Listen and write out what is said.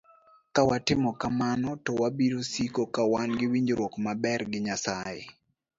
Ka watimo kamano, to wabiro siko ka wan gi winjruok maber gi Nyasaye.